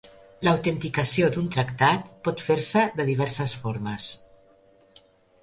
L'autenticació d'un tractat pot fer-se de diverses formes.